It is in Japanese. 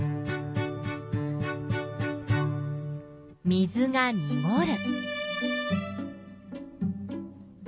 水がにごる。